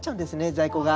在庫が。